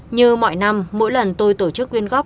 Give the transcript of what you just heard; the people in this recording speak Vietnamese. như mọi năm mỗi lần tôi tổ chức quyên góp